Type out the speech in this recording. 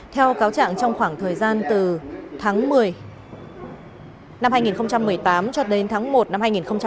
theo cáo trạng trong khoảng thời gian từ tháng một mươi năm hai nghìn một mươi tám cho đến tháng một năm hai nghìn một mươi chín